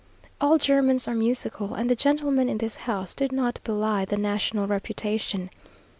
All Germans are musical, and the gentlemen in this house did not belie the national reputation.